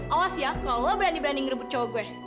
awas ya kalo lo berani berani ngerebut cowok gue